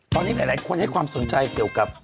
ตอนนี้หลายคนให้ความสนใจเกี่ยวกับ